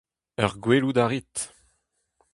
Her gwelout a rit.